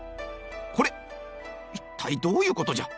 「これっ一体どういうことじゃ。